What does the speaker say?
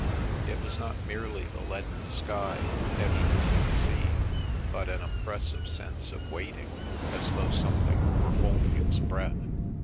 It was not merely the leaden sky and heavy moving sea, but an oppressive sense of waiting, as though something were holding its breath.